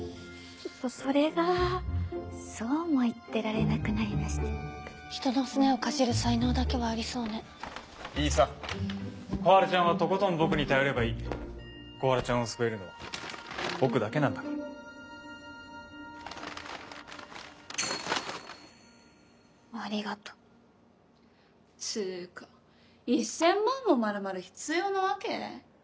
そそれがそうも言ってられなくなりまして人のすねをかじる才能だけはありそうねいいさ小春ちゃんはとことん僕に頼ればいい小春ちゃんを救えるのは僕だけなんだからありがとつうか１０００万もまるまる必要なわけ？